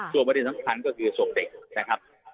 ส่วนประเด็นสำคัญก็คือศพเด็กนะครับ